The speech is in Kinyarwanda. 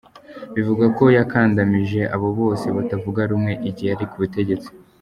Bivugwa ko yakandamije abo bose batavuga rumwe igihe yari ku butegetsi.